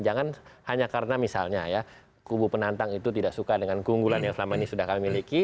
jangan hanya karena misalnya ya kubu penantang itu tidak suka dengan keunggulan yang selama ini sudah kami miliki